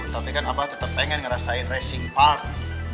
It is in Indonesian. tapi kan abah tetap pengen ngerasain racing part